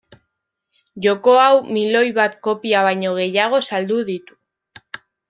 Joko hau miloi bat kopia baino gehiago saldu ditu.